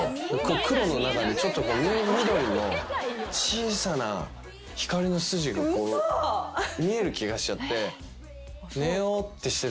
黒の中にちょっと緑の小さな光の筋が見える気がしちゃって。